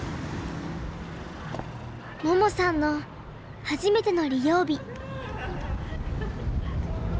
桃さんの初めての利用日。